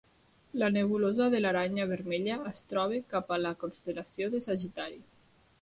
La nebulosa de l'aranya vermella es troba cap a la constel·lació de Sagitari.